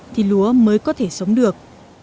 thì lúa mới có thể sống được